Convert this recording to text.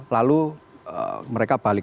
lalu mereka berangkutan